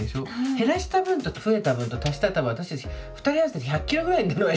減らした分と増えた分と足したら私たち２人合わせて１００キロぐらいになるわよ